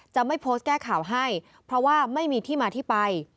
จะไม่โพสต์แก้ข่าวให้เพราะว่าไม่มีที่มาที่ไป